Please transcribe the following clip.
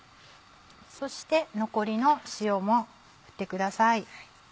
そして残りの塩も振ってください。